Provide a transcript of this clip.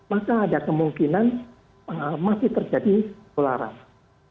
maka ada kemungkinan masih terjadi penularan